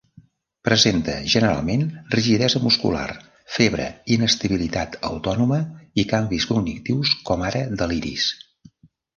Presenta generalment rigidesa muscular, febre, inestabilitat autònoma i canvis cognitius com ara deliris.